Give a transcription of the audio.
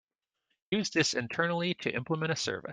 Use this internally to implement a service.